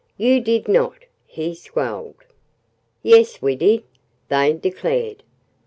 "You did not!" he squalled. "Yes, we did!" they declared.